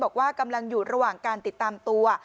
บอกว่ากำลังอยู่ระหว่างการติดตามตัว